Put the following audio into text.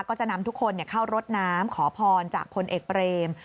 ก็จะนำทุกคนเข้ารดน้ำขอพรจากพลเอกเปรม